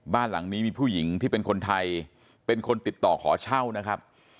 บ้านหลังนี้มีผู้หญิงที่เป็นคนไทยเป็นคนติดต่อขอเช่านะครับ